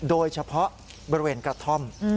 โดยเฉพาะบริเวณกระท่อม